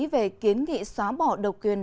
về kiến nghị xóa bỏ độc quyền